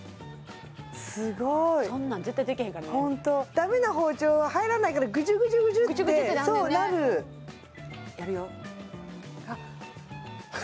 すごいそんなん絶対できへんからダメな包丁は入らないからグジュグジュグジュってなるやるよ